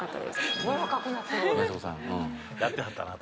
やってはったな。